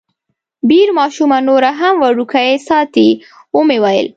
بیر ماشومه نوره هم وړوکې ساتي، ومې ویل.